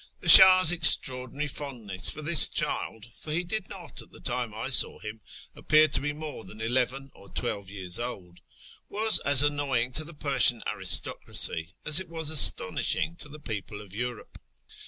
The Shah's extraordinary fondness for this child (for he did not, at the time I saw him, appear to be more than eleven or twelve years old) was as annoying to the Persian aristocracy as it was astonishing to the people of Europe.